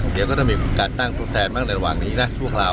เดี๋ยวก็ต้องมีการตั้งตัวแทนบ้างในระหว่างนี้นะชั่วคราว